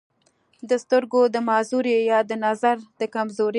دَسترګو دَمعذورۍ يا دَنظر دَکمزورۍ